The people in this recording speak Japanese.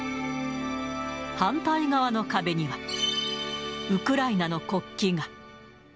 反対側の壁には、ウクライナの国旗が。